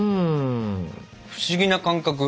不思議な感覚。